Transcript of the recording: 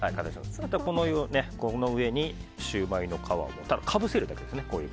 この上にシューマイの皮をかぶせるだけですね。